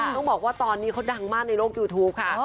ต้องบอกว่าตอนนี้เขาดังมากในโลกยูทูปค่ะ